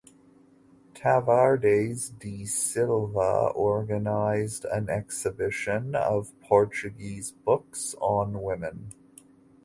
Tavares da Silva organized an Exhibition of Portuguese Books on Women.